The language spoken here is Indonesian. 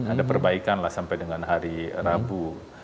ada perbaikan lah sampai dengan hari rabu